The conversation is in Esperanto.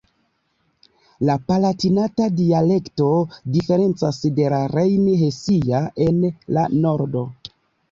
La Palatinata dialekto diferencas de la Rejn-Hesia en la Nordo.